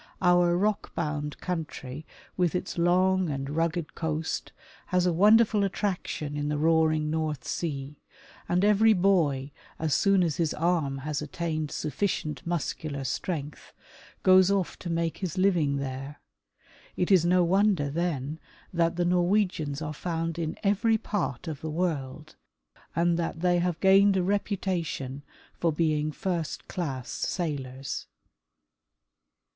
Our rock bound country, with its long and rugged coast, has a wonderful attrac tion in the roaring North sea, and every boy, as soon as his arm has attained sufficient muscular strength, goes off' to make his living there. It is no wonder, then, that the Norwegians are found in every part of the world, and that they have gained a reputa tion for being first class sailors.